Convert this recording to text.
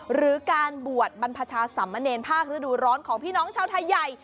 หรือการบวชบรรพชาสัมมะเนรภาคฤดูร้อนของพี่น้องชาวไทยใหญ่